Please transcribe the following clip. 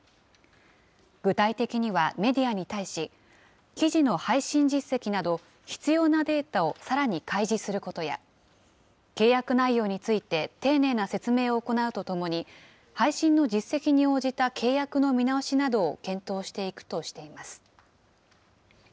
具体的にはメディアに対し、記事の配信実績など、必要なデータをさらに開示することや、契約内容について丁寧な説明を行うとともに、配信の実績に応じた契約の見直しなどを検討していくとしています。